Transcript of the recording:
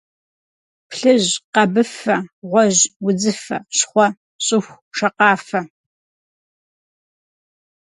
Плъыжь, къэбыфэ, гъуэжь, удзыфэ, щхъуэ, щӏыху, шакъафэ.